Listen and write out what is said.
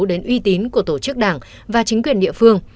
đến uy tín của tổ chức đảng và chính quyền địa phương